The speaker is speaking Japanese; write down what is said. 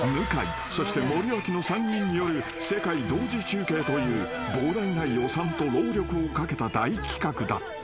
そして森脇の３人による世界同時中継という膨大な予算と労力をかけた大企画だった］